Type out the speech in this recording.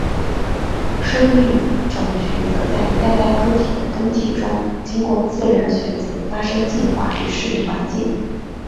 生命种群则在一代代个体的更替中经过自然选择发生进化以适应环境。